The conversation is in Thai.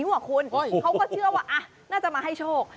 เขาก็เชื่อว่าอ่ะน่าจะมาให้โชค